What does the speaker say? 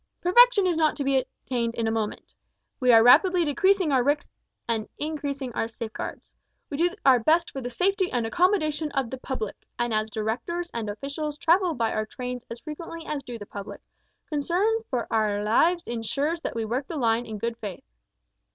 Perfection is not to be attained in a moment. We are rapidly decreasing our risks and increasing our safeguards. We do our best for the safety and accommodation of the public, and as directors and officials travel by our trains as frequently as do the public, concern for our own lives insures that we work the line in good faith.